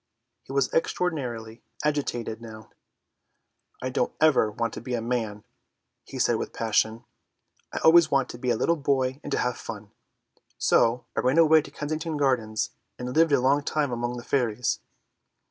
He was extraordinarily agitated now. "I don't want ever to be a man," he said with passion. "I want always to be a little boy and to have fun. So I ran away to Kensington Gardens and lived a long long time among the fairies."